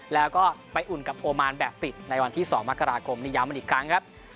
แล้วก็ไปอุ่นกับโอมานแบบปิดในวันที่๒มกราคมนี้ย้ำกันอีกครั้งครับ